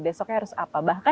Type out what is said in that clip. besoknya harus apa